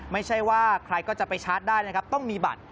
ไม่ใช่ว่าใครจะไปชาร์จได้ต้องมีบัตร